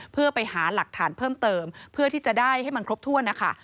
เพื่อไปหาหลักฐานเพิ่มเติมเพื่อที่จะได้ให้มันครบถ้วนนะคะ